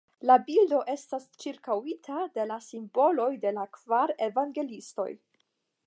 La bildo estas ĉirkaŭita de la simboloj de la kvar evangeliistoj.